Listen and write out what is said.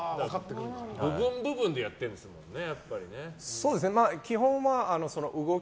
部分、部分でやってるんですね。